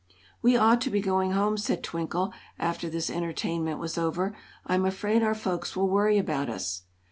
"We ought to be going home," said Twinkle, after this entertainment was over. "I'm afraid our folks will worry about us."